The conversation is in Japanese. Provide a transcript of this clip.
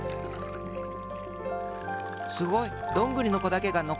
すごい！どんぐりのこだけがのこった。